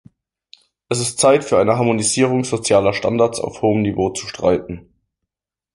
Es ist Zeit, für eine Harmonisierung sozialer Standards auf hohem Niveau zu streiten.